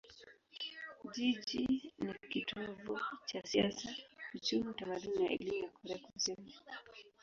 Jiji ni kitovu cha siasa, uchumi, utamaduni na elimu ya Korea Kusini.